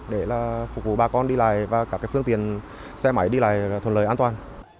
để phục vụ bà con đi lại và các phương tiện xe máy đi lại thuận lợi an toàn